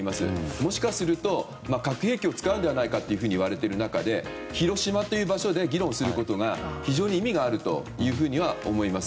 もしかすると核兵器を使うのではないかといわれている中で広島という場所で議論することが非常に意味があるというふうに思います。